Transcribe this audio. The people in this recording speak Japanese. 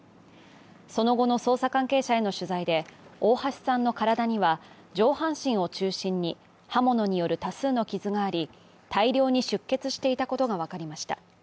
その後の捜査関係者への取材で、大橋さんの体には上半身を中心に刃物による多数の傷があり、大量に出血していたことが分かりました。